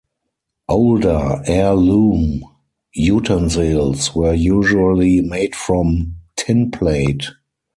Older "heirloom" utensils were usually made from tinplate.